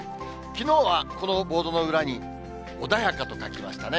きのうはこのボードの裏に穏やかと書きましたね。